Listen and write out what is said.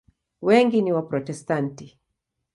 Wengi ni Waprotestanti.